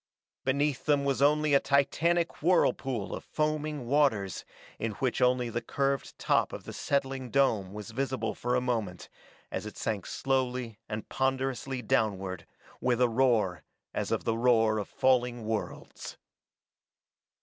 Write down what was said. Beneath them was only a titanic whirlpool of foaming waters in which only the curved top of the settling dome was visible for a moment as it sank slowly and ponderously downward, with a roar as of the roar of falling worlds.